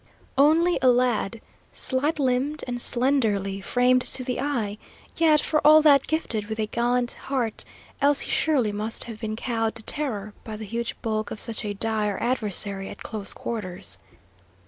Only a lad, slight limbed and slenderly framed to the eye, yet for all that gifted with a gallant heart, else he surely must have been cowed to terror by the huge bulk of such a dire adversary at close quarters.